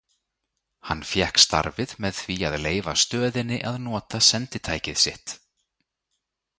Hann fékk starfið með því að leyfa stöðinni að nota senditækið sitt.